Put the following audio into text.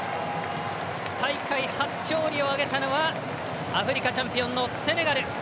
大会初勝利を挙げたのはアフリカチャンピオンのセネガル。